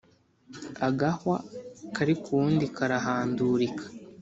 Agahwa kari k’uwundi karahandurika.